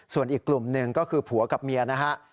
ส่วนอีกกลุ่มหนึ่งก็คือผัวกับเมียนะฮะ